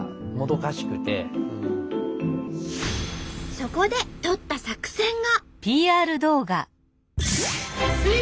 そこでとった作戦が。